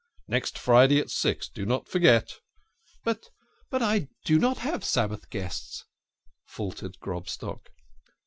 Next Friday at six do not forget." " But but I do not have Sabbath guests," faltered Grob stock.